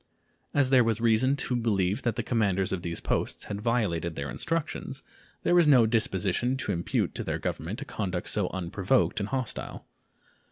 As there was reason to believe that the commanders of these posts had violated their instructions, there was no disposition to impute to their Government a conduct so unprovoked and hostile.